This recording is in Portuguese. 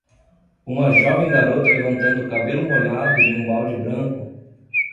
uma jovem garota levantando o cabelo molhado de um balde branco